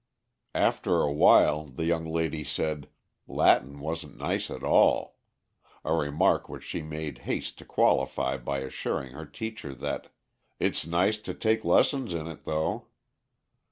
After awhile the young lady said "Latin wasn't nice at all," a remark which she made haste to qualify by assuring her teacher that "it's nice to take lessons in it, though."